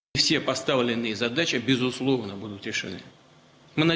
menjaga perdamaian kedua negara